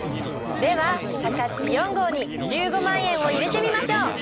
ではさかっち４号に１５万円を入れてみましょう。